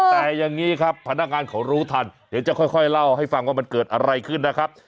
แต่อย่างนี้ครับพนักงานเขารู้ทันเดี๋ยวจะค่อยเล่าให้ฟังว่ามันเกิดอะไรขึ้นนะครับ